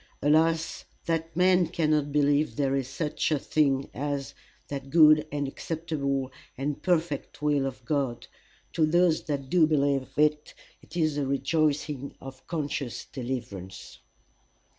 Alas that men cannot believe there is such a thing as "that good and acceptable and perfect will of God!" To those that do believe it, it is the rejoicing of a conscious deliverance.